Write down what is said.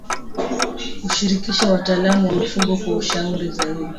Kushirikisha wataalamu wa mifugo kwa ushauri zaidi